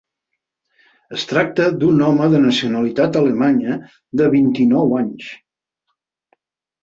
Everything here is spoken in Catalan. Es tracta d’un home de nacionalitat alemanya de vint-i-nou anys.